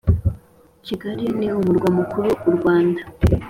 Kigali ni umurwa mukuru wu u Rwanda